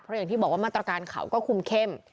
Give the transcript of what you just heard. อย่างที่บอกว่ามาตรการเขาก็คุมเข้ม